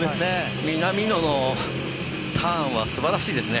南野もターンは素晴らしいですね。